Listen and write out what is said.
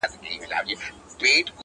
• کنې پاته یې له ډلي د سیلانو..